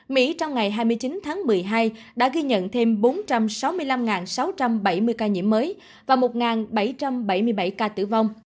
mỹ trong ngày hai mươi chín tháng một mươi hai đã ghi nhận thêm bốn trăm sáu mươi năm sáu trăm bảy mươi ca nhiễm mới và một bảy trăm bảy mươi bảy ca tử vong